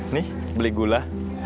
nih beli gula